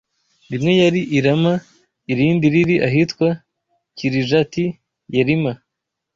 Rimwe ryari i Rama irindi riri ahitwa Kirijati-Yerima.